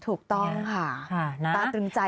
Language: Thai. ถูกต้องค่ะ